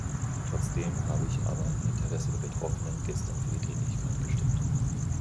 Trotzdem habe ich aber im Interesse der Betroffenen gestern für die Dringlichkeit gestimmt.